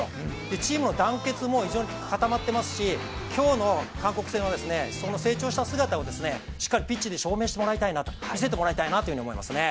チームも団結も非常に固まっていますし今日の韓国戦は、その成長した姿をしっかりピッチで証明してもらいたいなと、見せてもらいたいなというふうに思いますね。